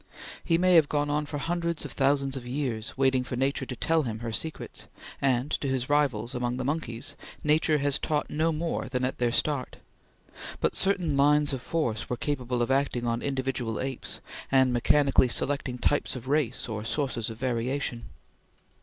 He may have gone on for hundreds of thousands of years, waiting for Nature to tell him her secrets; and, to his rivals among the monkeys, Nature has taught no more than at their start; but certain lines of force were capable of acting on individual apes, and mechanically selecting types of race or sources of variation.